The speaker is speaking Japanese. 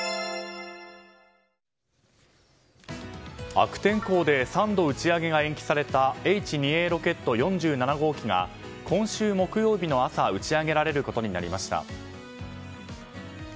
悪天候で３度打ち上げが延期されたＨ２Ａロケット４７号機が今週木曜日の朝打ち上げられることになりました。